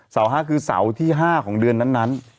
๕คือเสาร์ที่๕ของเดือนนั้น